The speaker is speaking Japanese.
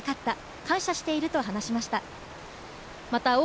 感謝していると話していました。